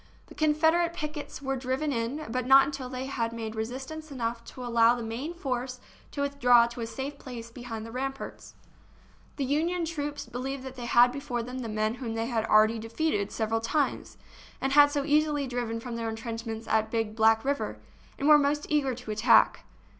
The Confederate pickets were driven in, but not until they had made resistance enough to allow the main force to withdraw to a safe place behind the ramparts. The Union troops believed they had before them the men whom they had already defeated several times and had so easily driven from their intrench ments at Big Black River, and were most eager to attack.